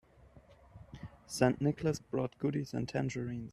St. Nicholas brought goodies and tangerines.